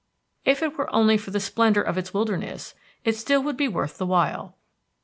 If it were only for the splendor of its wilderness, it still would be worth the while.